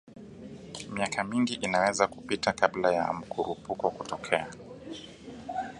Miaka mingi inaweza kupita kabla ya mkurupuko kutokea